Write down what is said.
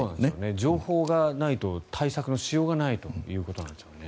情報がないと対策のしようがないということなんですよね。